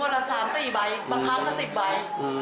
เราเอา๓๔ใบบางครั้งก็๑๐ใบ